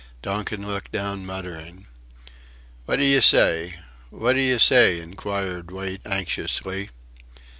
Donkin looked down, muttering.... "What d'you say? What d'you say?" inquired Wait anxiously.